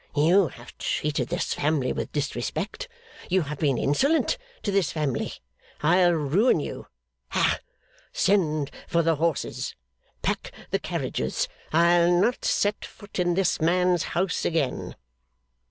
You have treated this family with disrespect; you have been insolent to this family. I'll ruin you. Ha send for the horses, pack the carriages, I'll not set foot in this man's house again!